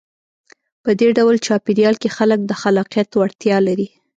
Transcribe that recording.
په دې ډول چاپېریال کې خلک د خلاقیت وړتیا لري.